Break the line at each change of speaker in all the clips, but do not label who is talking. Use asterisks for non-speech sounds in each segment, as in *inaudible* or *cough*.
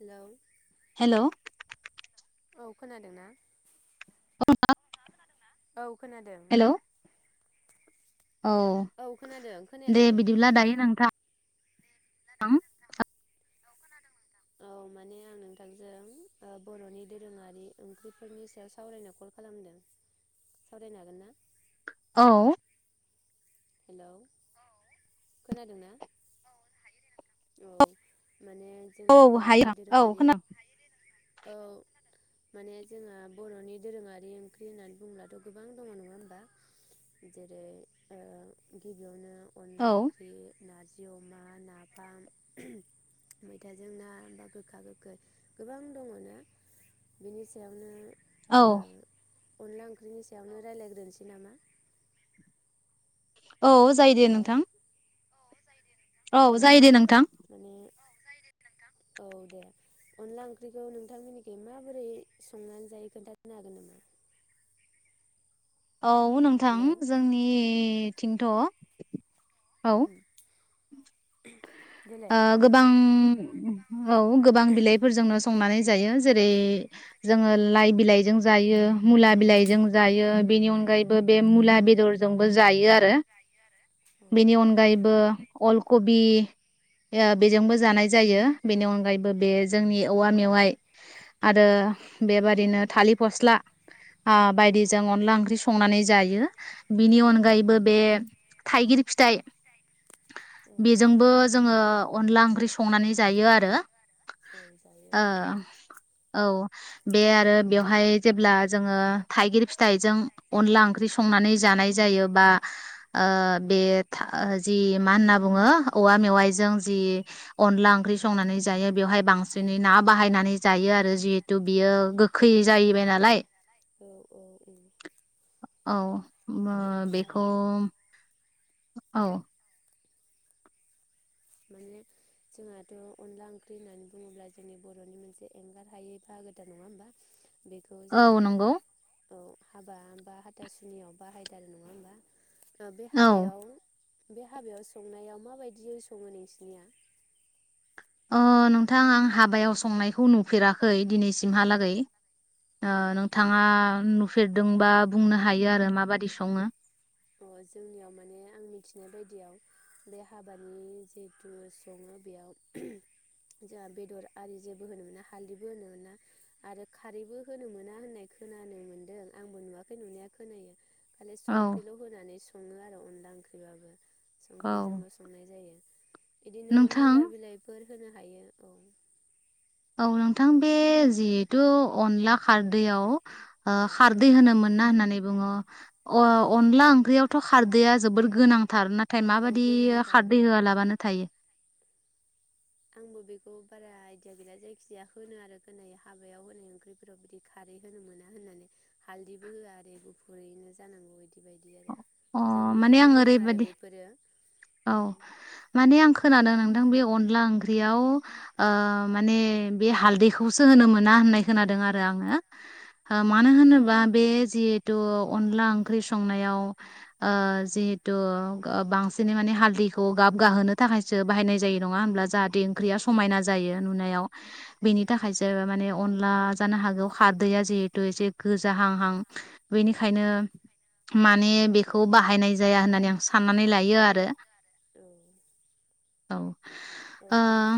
Hello
hello
औ खोनादोंना?
*unintelligible*
औ खोनादों।
हेलौ औ
औ खोनादों
दे
खोनायाखै
बिदिब्ला दायो नोंथां
औ माने आं नोंथांजों ओ बरनि दोरोङारि ओंख्रिफोरनि सायाव सावरायनो कल खालामदों सावरायनो हागोन ना?
औ
हेलौ खोनादों ना औ माने
औ
जोंहा बरनि
हायो औ
दोरोङारि
खोना
औ माने जोंहा बरनि दोरोङारि ओंख्रि होननानै बुंब्लाथ गोबां दङ नङा होमबा जेरै ओ गिबियावनो अनला
औ
ओंख्रि नारजि अमा नाफाम मैथाजों ना बा गोखा गोखै गोबां दङ ना बेनि सायावनो ओ अनला ओंख्रिनि सायावनो रायलायग्रोनसै नामा?
औ जायो दे
हेलौ
नोंथां औ जायो दे नोंथां।
माने औ दे अनला ओंख्रिखौ नोंथां मोननिखै माबोरै संनानै जायो खोन्थानो हागोन नामा?
औ नोंथां
हेलौ
जोंनि थिंथ
उम देलाय
ओ
बुंलाय
गोबां *unintelligible* औ गोबां बिलाइफोरजोंनो संनानै जायो जेरै जोङो लाइ बिलाइजों जायो मुला बिलाइजों जायो बेनि अनगायैब बो बे मुला बेदरजों बो जायो आरो
अ
बेनि अनगायैबो अल कबि ओ
उम औ जा औ जायो औ उम
बेजोंबो जानाय जायो
औ
बेनि अनगायैबो बे जोंनि औवा मेवाइ आरो बेबादिनो थालिर फस्ला आ बायदिजों अनला ओंख्रि संनानै जायो। बिनि अनगायैबो बे थाइगिर फिथाइ बेजोंबो जोङो अनला ओंख्रि संनानै जायो आरो
औ
ओ औ बे आरो बेवहाय जेब्ला जोङो थाइगिर फिथाइजों अनला ओंख्रि संनानै जानाय जायो बा ओ बे था जि मा होनना बुङो औवा मेवाइजों जि अनला ओंख्रि संनानै जायो बेवहाय बांसिनै ना बाहायनानै जायो आरो जिहेतु बियो गोखै जायैबाय नालाय
उम
औ मो
औ
बेखौ
आरो
औ
माने जोंहाथ अनला ओंख्रि होननानै बुङोब्ला जोंनि बरनि मोनसे एंगार हायै बाहागोथार नङा होमबा बेखौ जोङा
औ नंगौ
औ हाबा बा हाथासुनियाव बाहायदारो नङा होमबा ओ बे
औ
हाबायाव बे हाबायाव संनायाव माबायदियै सं सङो नोंसोनिया
अ नोंथां आं हाबायाव संनायखौ नुफेराखै दिनैसिमहालागै
औ
ओ नोंथाङा नुफेरदोंबा बुंनो हा हायो आरो माबादि सङो
अ जोंनियाव माने आं मिथिनाय बायदियाव बे हाबानि जिहेतु सङो बेयाव जोंहा बेदर आरि जेबो होनो मोना हाल्दैबो होनो मोना आरो खारैबो होनो मोना होननाय खोनानो मोनदों आंबो नुवाखै नुनाया खोनायो खालि
औ
सं ख्रिल होनानै सङो आरो अनला ओं *unintelligible*
औ
संख्रिजोंनो संनाय जायो। बिदिनो
नोंथां
मुला बिलाइफोर होनो हायो औ
औ नोंथां बे जिहेथु अनला खारदैआव
औ
खारदै होनो मोना होननानै *unintelligible* अ
उम
अनला ओंख्रियाव थ खारदैआ जोबोर गोनांथार ना नाथाय
औ
माबायदि
गोनांथार
खारदै होआलाबानो थायो?
आंबो बेखौ बारा आयदिया गैला जायखिजाया होनो आरो होनाय हाबायाव होनाय ओंख्रिफोराव बिदि खारै होनो मोना होननानै हालदैबो होआ आरो गुफुरैनो जानांगौ बायदि बायदि आरो।
अ माने
जोंनिखिनि
आं
नेम आरो
ओरैबायदि
बेफोरो
औ माने आं खोनादों नोंथां बैयाव अनला ओंख्रियाव ओ
उम
माने बि हालदैखौसो सो होनो मोना होननाय खोनादों आरो आङो। मानो होनो बा बे जि थु अनला ओंख्रि संनायाव ओ
बे जिहेथु
जिहेतु बांसिनै माने हालदैखौ गाब गाहोनो
अनला ओंख्रि
थाखायसो बाहायनाय जायो नङा होनब्ला जाहाथे ओंख्रिया
संनायाव ओ जिहेथु
समायना
ओ बांसिनै माने
जायो
हालदैखौ गाब
नुनायाव बेनि
गाहोनो
थाखायसो माने अनला जानो हागौ खारदैया
थाखायसो
जिहेथु
बाहायनाय
एसे
जायो
गोजाहांहां।
नङा होमब्ला जाहाथे ओंख्रिया समायना जायो नुनायाव बेनि
बेनिखायनो माने बेखौ बाहायनाय जाया होननानै आं साननानै लायो आरो।
औ
औ।
जोङो
ओ
माने अनला जानो हागौ खारदैया जिहेथु एसे गोजाहांहां औ माने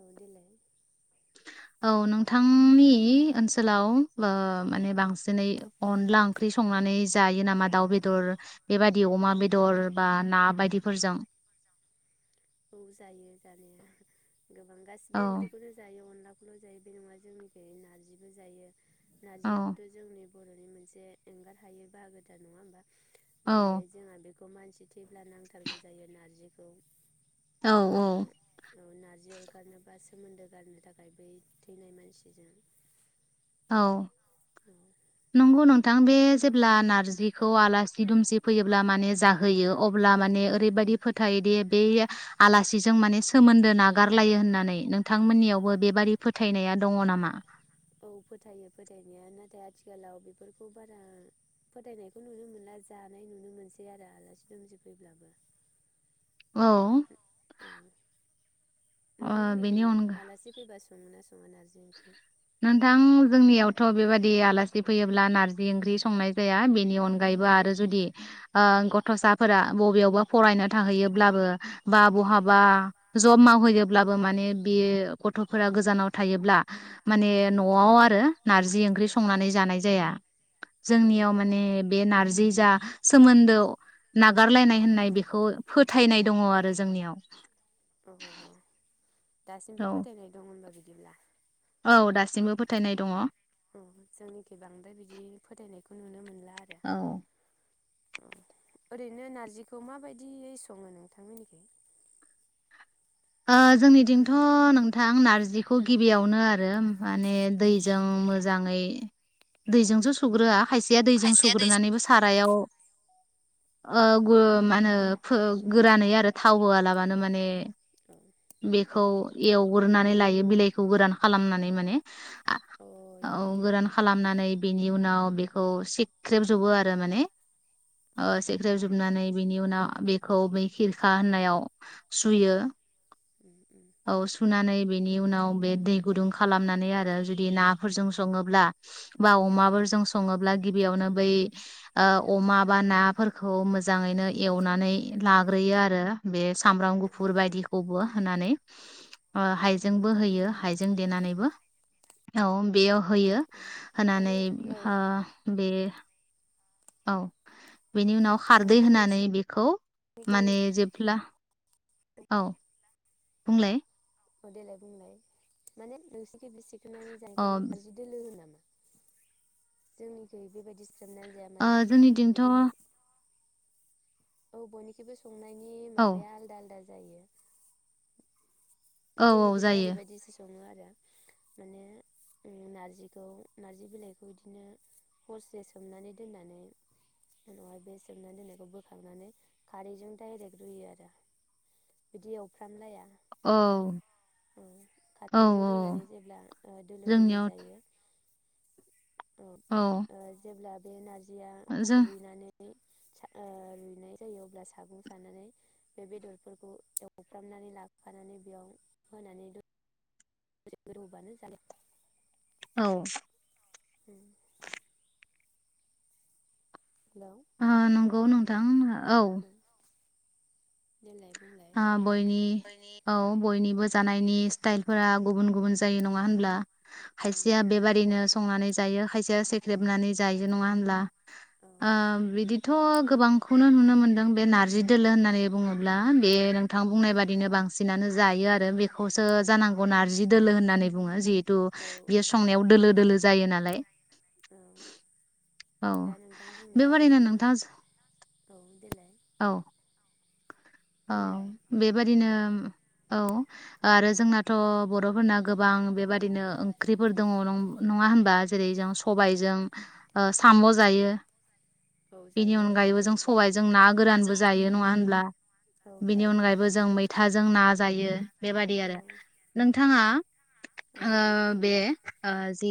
औ देलाय
औ नोंथांनि ओनसोलाव ओ माने बांसिनै अनला ओंख्रि संनानै जायो नामा दाउ बेदर दर बेबादि अमा बेदर बा ना बायदिफोरजों।
औ जायो जानाया गोबां
औ
गासिबो ओंख्रिखौनो जायो अनला अनलाखौल जायो बे नङा जोंनिखै नारजिबो जायो
औ
नारजियाबोथ जोंनि बर'नि मोनसे एंगार हायै बाहागोथार नङा होमबा। जेरैहाय जोंहा बेखौ बेखौ मानसि थैब्ला नांथारगौ जायो नारजिखौ।
औ औ।
ओ औ नारजि अरगारनोबा सोमोन्दो गारनो थाखाय बै थैनाय मानसिजों
औ।
औ
नंगौ नोंथां बे जेब्ला नारजिखौ आलासि दुमसि फैयोब्ला माने जाहोयो अब्ला माने ओरैबायदि फोथायोदि बे आलासिजों माने सोमोन्दो नागारलायो होननानै नोंथांमोननियावबो बेबादि फोथायनाया दङ नामा?
औ फोथायो फोथायनाया नाथाय आथिखालाव बेफोरखौ बारा फोथायनायखौ नुनो मोनला जानाय नुनो मोनसै आरो आलासि दोमसि फैब्लाबो।
औ
औ
ओ
नोंथांमोननिखै
बेनि अनगा
आलासि फैबा सङोना सं
नोंथां जोंनियावथ' बेबादि दि आलासि फैयोब्ला नारजि ओंख्रि संनाय जाया बेनि नि अनगायैबो आरो जुदि ओ ग थसाफोरा बबेयावबो फरायनो थाहैयोब्लाबो बा बहाबा जब मावहैयो अब्लाबो माने बेयो गथ'फोरा गोजानाव थायोब्ला *inaudible* माने
उम
न'आव आरो नारजि ओंख्रि संनानै जानाय जाया जोंनियाव माने बे नारजै जा सोमोन्दो नागारलायनाय होननाय बेखौ फोथायनाय दङ आरो जोंनियाव।
अहह दासिमबो
औ
फोथायनाय दं होनबा बि बिदिब्ला
औ दासिमबो फोथायनाय दङ।
अ जोंनिथिं बांद्राय बिदि फोथायनायखौ नुनो मोनला आरो
औ
औ ओरैनो नारजिखौ माबायदियै सङो नोंथांमोननिथिं?
ओ जोंनिथिंथ' नोंथां नारजिखौ गिबियावनो आरो माने
औ
दैजों मोजाङै दैजोंसो सुग्रोआ खायसेया दैजों सुग्रोनानैबो सारायाव ओ गु मानो फो गोरानै
थाव होआलाबानो माने औ अ इदि अ उम
आरो थावहोया लाबानो माने बेखौ एवग्रोनानै लायो बिलाइखौ गोरान खालामनानै माने *unintelligible* औ गोरान खालामनानै बेनि उनाव बेखौ सिख्रेबजोबो आरो माने ओ सिख्रेब जोबनानै बिनि उनाव बेखौ बै खिरखा होननायाव सुयो
उम उम
औ सुनानै बेनि उनाव बे दै गुदुं खालामनानै आरो जुदि नाफोरजों सङोब्ला बा अमाबोरजों सङोब्ला गिब बेयावनो बै ओ अमा बा नाफोरखौ मोजाङैनो एवनानै लाग्रोयो आरो बे सामब्राम गुफुर बायदिखौबो हानानै ओ हायज जोंबो होयो हाइजें देनानैबो। औ बेयाव होयो
औ उम औ
होनानै
माने औ
हा बे औ बेनि उनाव खारदै
माने
होनानै बेखौ
नोंसिनिखै
माने जेब्ला औ बुंंलाय
अ देलाय बुंलाय माने नों
अ
*unintelligible* *unintelligible* जोंनिजाय बेबायदि सोमनानै जाया
ओ
माने
जोंनिथिंथ' औ
बिदिखौ औ बयनिखोबो
औ
जायो।
औ
जोंनिखिजाय
जायो
ओरैबायदिसो सङो आरो *unintelligible* माने ओं नारजिखौ नारजि बिलाइखौ इदिनो हरसे सोमनानै दोननानै उनावहाय बे सोमनानै दोननायखौ बोखांनानै खारैजों दाइरेक्ट रुयो आरो बिदि एवफ्रामलाया।
औ
ओ
औ
खारदैजों रुनानै जेब्ला ओ दोलो दोलो
जोंनियाव
जायो
औ
ओ जेब्ला बे नारज बिदिया
जों
रुइनानै ओ रुइनाय जायो अब्ला सागं सानानै बे बेदरफोरखौ एवफ्रामनानै लाखानानै बेयाव होनानै द दसे गोदौबानो जा
औ
उम
ओ नोंगौ नों थां औ
देलाय बुंलाय
आ बयनि औ बयनिबो जानायनि स्टाइलफोरा गुबुन गुबुन जायो नङा होनब्ला?
औ
खायसेया
जायो।
बेबादिनो संनानै जायो खायसेया सेख्रेबनानै जायो नङा होनब्ला?
औ
ओ बिदि थ गोबांखौनो नुनो मोनदों बे नारजि दोलो होननानै बुङोब्ला *unintelligible* नोंथां बुंनाय बादिनो बांसिनानो जायो आरो बेखौसो जानांगौ नारजि दोलो होननानै बुङो जि तु
औ
बियो संनायाव दोलो दोलो। जायो नालाय।
औ
औ
दा नोंथां बुंनाया
बेबादिनो
ओरैनो
नोंथां
*unintelligible* औ देलाय।
औ। औ
बुंलाय
बेबादिनो औ। आरो जोंनाथ ब'रफोरना गोबां बेबादिनो ओंख्रिफोर दङ नं नङा होनबा जेरै जों
औ
सबाइजों ओ साम जायो।
औ
बेनि
जायो औ
अनगायैबो जों सबाय जों ना रानबो जायो नङा होनब्ला
औ
बिनि
जायो।
अनगायैबो जों मैथा। जों ना जायो। बेबादि
औ
आरो नोंथाङा?
औ
ओ बे ओ जि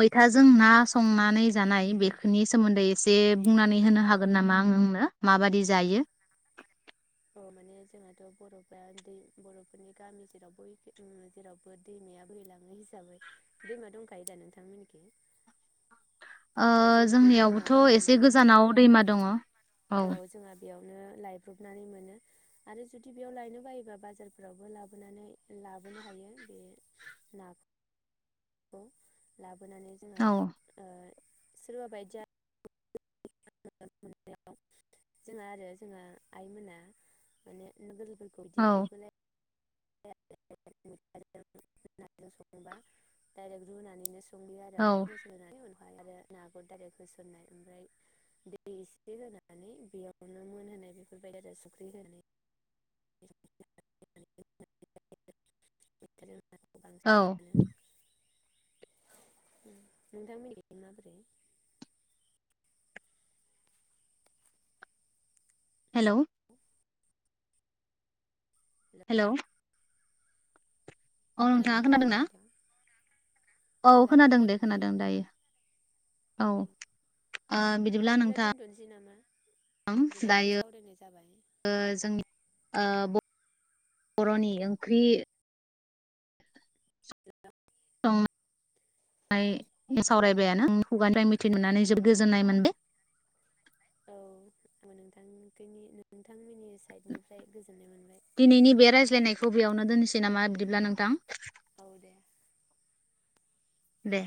मैथाजों ना संनानै जानाय बेफोरनि सोमोन्दै एसे बुंनानै होनो हागोन नामा आं नोंनो? माबादि जायो?
औ माने जोंहाथ बर'फ्रा दै बर' फोरनि गामि जेरावबो *unintelligible* जेरावबो दैमाया बैहै लाङो हिसाबै दैमा दंखायो दा नोंथांमोनिखै
ओ जोंनियावबोथ एसे
माने
गोजानाव दैमा दङ औ।
नो लायब्रबनानै मोनो आरो जुदि बेयाव लायनो बायोबा बाजारफ्रावबो लाबोनानै लाबोनो हायो बे ना खौ ला बोनानै जोंहा
औ
ओ सोरबा बायदिया *unintelligible* जोंहा आरो जोंहा आइमोना माने
औ
*unintelligible* *unintelligible* मैथाजों नाजों *unintelligible* ओमफाय आरो
औ
नाखौ दाइरेख होसननाय ओमफ्राय दै एसे होनानै बेयावनो मोनहोनाय बेफोरबायदि आरो सुख्रि होनानै *unintelligible* *unintelligible* खौ
औ
बांसिनानो नोंथां मोननिखै माबोरै?
हेलौ।
हेलौ।
औ नोंथाङा
खोनादोंना खोनायाथाय नोंथाङा
औ खोनादों दे खोनादों दायो औ ओ बिदिब्ला नोंथां
दोनथ'नोसै नामा
ओं
गोबावबो
दायो
सावरायनाय जाबाय
ओ जोंनि ओ ब बर'नि ओंख्रि
*unintelligible*
*unintelligible* आइ सावरायबायानो *unintelligible* खुगानिफ्राय मिथि नुनानै जोबोद गोजोननाय मोनबाय।
औ आंबो नोंथांखैनि नोंथांमोनि साइडनिफ्राय गोजो
दिनैनि बे रायज्लायनायखौ बेयावनो दोननोसै नामा बिदिब्ला नोंथां
औ दे
दे